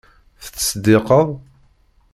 Tettseddiqeḍ?